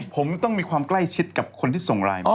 ผมต้องมีความใกล้ชิดกับคนที่ส่งไลน์มา